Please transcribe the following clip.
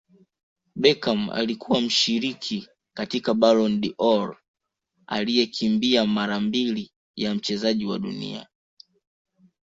Beckham alikuwa mshiriki katika Ballon dOr aliyekimbia mara mbili ya Mchezaji wa Dunia